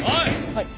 はい